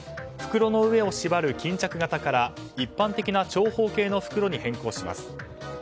袋の上を縛る巾着型から一般的な長方形の袋に変更します。